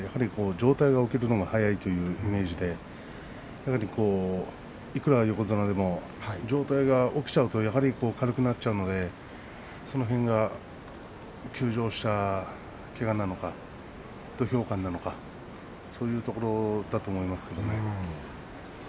上体が起きるのが早いというイメージでいくら横綱でも上体が起きちゃうとやはり軽くなっちゃうのでその辺が休場したけがなのか土俵勘なのかそういうところだと思いますね。